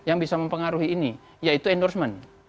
yang bisa mempengaruhi ini yaitu endorsement